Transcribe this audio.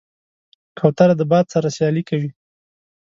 کوتره د باد سره سیالي کوي.